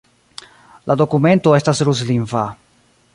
La dokumento estas ruslingva.